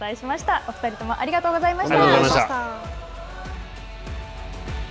お２人ともありがとうございました。